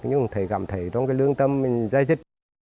nhưng cũng thấy cảm thấy trong cái lương tâm mình dây dứt